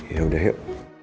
ya udah yuk